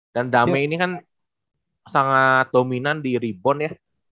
dan dame ini kan sangat dominan di rebound ya